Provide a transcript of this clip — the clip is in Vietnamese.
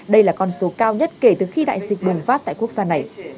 đây là con số cao nhất kể từ khi đại dịch bùng phát tại quốc gia này